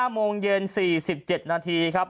โมงเย็น๔๗นาทีครับ